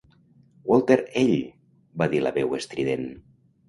"Walter ell!" va dir la veu estrident.